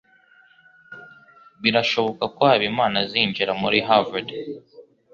Birashoboka ko Habimana azinjira muri Harvard.